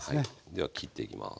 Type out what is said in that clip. では切っていきます。